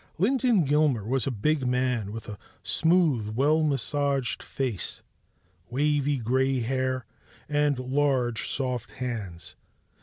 Linton Gilmer was a big man, with a smooth well massaged face, wavy gray hair, and large soft hands.